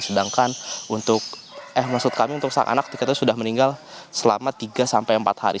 sedangkan untuk eh maksud kami untuk sang anak tiketnya sudah meninggal selama tiga sampai empat hari